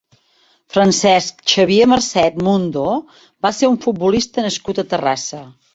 Francesc Xavier Marcet Mundo va ser un futbolista nascut a Terrassa.